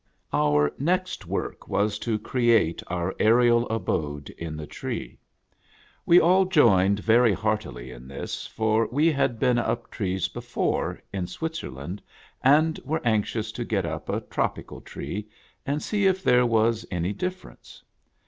;UR next work was to create our aerial abode in the tree. We all joined very heartily in this, for we had been up trees before, in Switzerland, and were anxious to get up a tropical tree, and see if there was any difference.